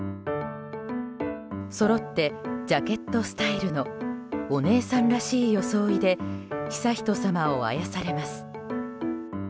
そろってジャケットスタイルのお姉さんらしい装いで悠仁さまをあやされます。